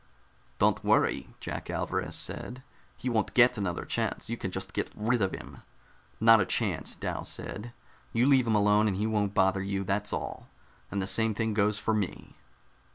"Don't worry," Jack Alvarez said, "he won't get another chance. You can just get rid of him." "Not a chance," Dal said. "You leave him alone and he won't bother you, that's all. And the same thing goes for me."